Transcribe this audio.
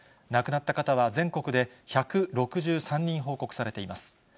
亡くなった方は、全国で１６３人報告されています。